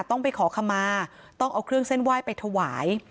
ต้องไปขอขมาต้องเอาเครื่องเส้นไหว้ไปถวาย